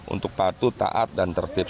untuk patuh taat dan tertib